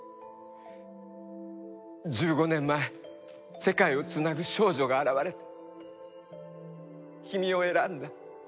１５年前世界をつなぐ少女が現れて君を選んだ。